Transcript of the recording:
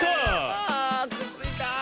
あくっついた！